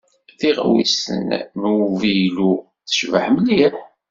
Tiɣwist n wevyulu tecbeḥ mliḥ.